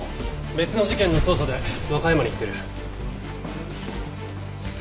別の事件の捜査で和歌山に行ってる。